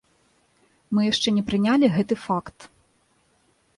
Мы яшчэ не прынялі гэты факт.